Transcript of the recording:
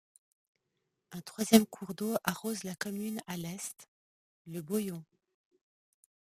Un troisième cours d'eau arrose la commune à l'est, le Boyon.